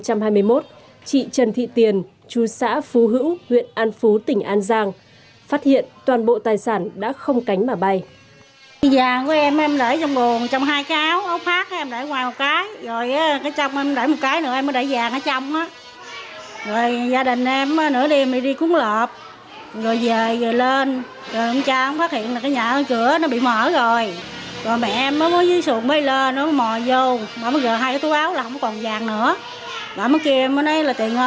chị trần thị tiền chú xã phú hữu huyện an phú tỉnh an giang phát hiện toàn bộ tài sản đã không cánh mà bay